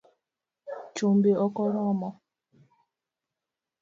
Chumbi okoromo